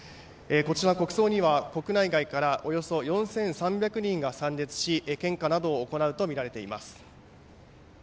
国葬には国内外からおよそ４３００人が参列し献花などを行うとみられています。